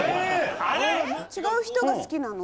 違う人が好きなの？